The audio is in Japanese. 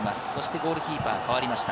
ゴールキーパー代わりました。